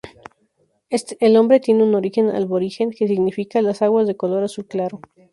El nombre tiene un origen aborigen que significa las "aguas de color azul claro".